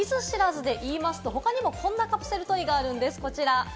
見ず知らずでいいますと、こういったカプセルトイがあるんです。